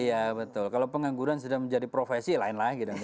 iya betul kalau pengangguran sudah menjadi profesi lain lagi dong